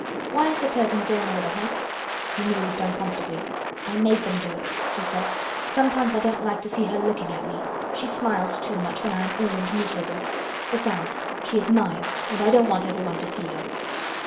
Why is the curtain drawn over her?" He moved uncomfortably. "I made them do it," he said. "Sometimes I don't like to see her looking at me. She smiles too much when I am ill and miserable. Besides, she is mine and I don't want everyone to see her."